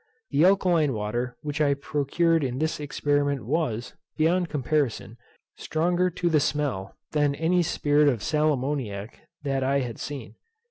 The alkaline water which I procured in this experiment was, beyond comparison, stronger to the smell, than any spirit of sal ammoniac that I had seen.